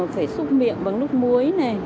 phải xúc miệng bằng nước muối này